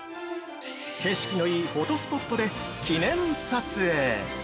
景色のいいフォトスポットで記念撮影！